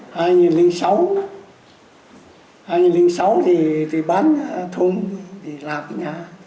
hai nghìn sáu thì bán thông thì làm ở nhà